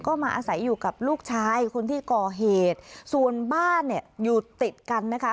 ก็มาอาศัยอยู่กับลูกชายคนที่ก่อเหตุส่วนบ้านเนี่ยอยู่ติดกันนะคะ